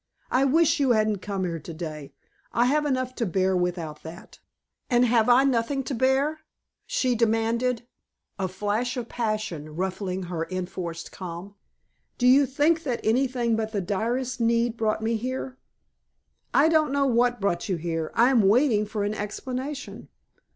I wish you hadn't come here to day. I have enough to bear without that." "And have I nothing to bear?" she demanded, a flash of passion ruffling her enforced calm. "Do you think that anything but the direst need brought me here?" "I don't know what brought you here. I am waiting for an explanation."